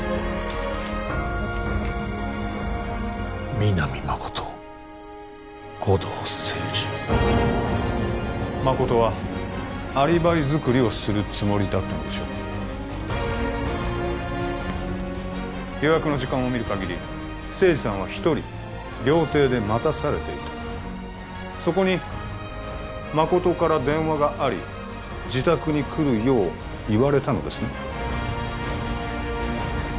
「ミナミマコト」「ゴドウセイジ」誠はアリバイ作りをするつもりだったのでしょう予約の時間を見るかぎり清二さんは一人料亭で待たされていたそこに誠から電話があり自宅に来るよう言われたのですね？